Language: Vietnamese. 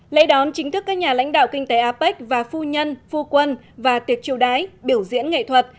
lễ đón chính thức các nhà lãnh đạo kinh tế apec và phu nhân phu quân và tiệc triều đái biểu diễn nghệ thuật